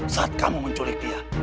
saat kamu menculik dia